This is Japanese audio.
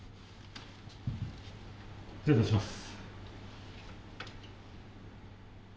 失礼いたします。